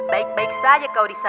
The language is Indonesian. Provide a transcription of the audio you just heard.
baik baik saja kau di sana